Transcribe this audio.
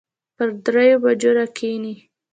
پر دريو بجو راکښېني.